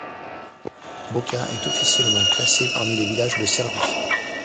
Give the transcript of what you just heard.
Boka est officiellement classée parmi les villages de Serbie.